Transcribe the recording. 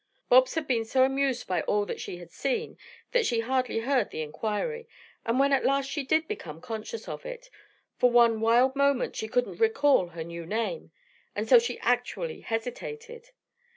Bobs had been so amused by all that she had seen that she hardly heard the inquiry, and when at last she did become conscious of it, for one wild moment she couldn't recall her new name, and so she actually hesitated.